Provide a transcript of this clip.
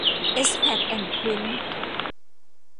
เอส แพ็ค แอนด์ พริ้นท์